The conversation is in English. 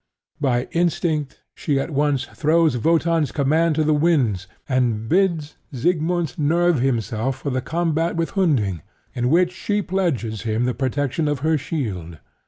By instinct she at once throws Wotan's command to the winds, and bids Siegmund nerve himself for the combat with Hunding, in which she pledges him the protection of her shield.